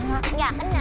nggak kena nggak kena